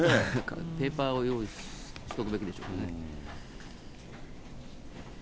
ペーパーを用意しておくべきでしょうね。